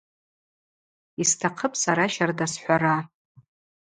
Йстахъыпӏ сара щарда схӏвара.